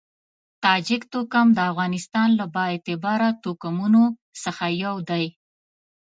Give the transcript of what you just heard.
تاجک توکم د افغانستان له با اعتباره توکمونو څخه یو دی.